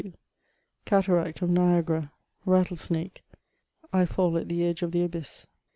CATARACT OP NIAGARA — RATTLESNAKE — ^I FALL AT THE EDGE OP THE ABYSS.